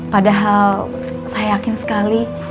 padahal saya yakin sekali